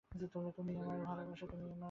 তুমিই আমার ভালোবাসা।